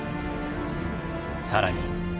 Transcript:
更に。